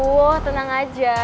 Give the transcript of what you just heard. woh tenang aja